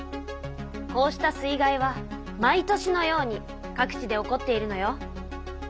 こうした水害は毎年のように各地で起こっているのよ。